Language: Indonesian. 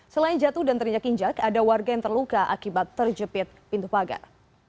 selain jatuh dan terinjak injak ada warga yang terluka akibat terjepit pintu pagar